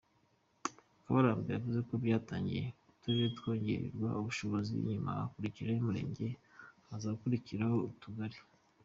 Mukabaramba yavuze ko byatangiye uturere twongererwa ubushobozi, nyuma hakurikiraho umurenge, hakazakurikiraho utugari.